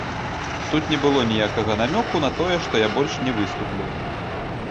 Тут не было ніякага намёку на тое, што я больш не выступлю.